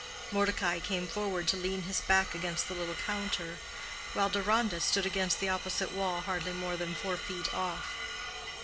Mordecai came forward to lean his back against the little counter, while Deronda stood against the opposite wall hardly more than four feet off.